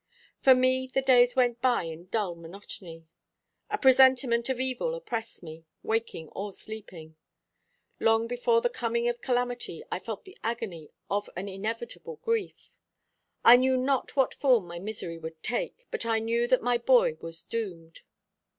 For me the days went by in dull monotony. A presentiment of evil oppressed me, waking or sleeping. Long before the coming of calamity I felt the agony of an inevitable grief. I knew not what form my misery would take; but I knew that my boy was doomed.